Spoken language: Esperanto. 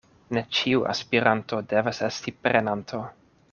Ne ĉiu aspiranto devas esti prenanto.